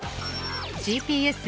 ＧＰＳ